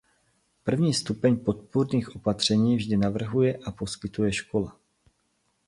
První stupeň podpůrných opatření vždy navrhuje a poskytuje škola.